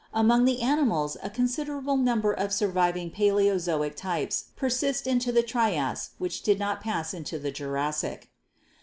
Among the animals a considerable number of surviving Paleozoic types persist into the Trias which do not pass into the Jurassic."